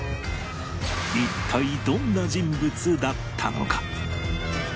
一体どんな人物だったのか？